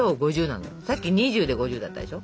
さっき２０で５０だったでしょ？